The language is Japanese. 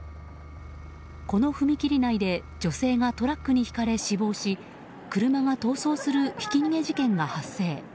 この踏切内で女性がトラックにひかれ死亡し車が逃走するひき逃げ事件が発生。